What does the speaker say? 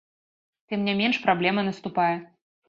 Тым не менш праблема наступае.